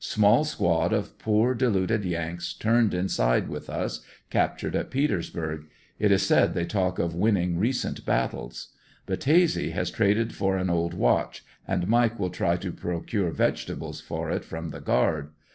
Small squad of poor deluded Yanks turned inside with us, captured at Petersburg. It is said they talk of winning recent battles. Battese has traded for an old watch and Mike will try to procure vegetables for it from the guard.